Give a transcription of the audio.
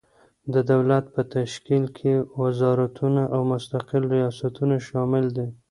د دولت په تشکیل کې وزارتونه او مستقل ریاستونه شامل دي.